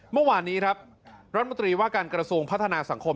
เมื่อวานนี้ครับรัฐมนตรีว่าการกระทรวงพัฒนาสังคม